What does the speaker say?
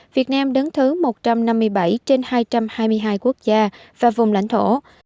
việt nam đứng thứ một trăm năm mươi bảy trên hai trăm hai mươi hai quốc gia và vùng lãnh thổ